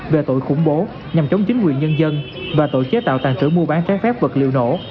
về tội khủng bố nhằm chống chính quyền nhân dân và tội chế tạo tàn trữ mua bán trái phép vật liệu nổ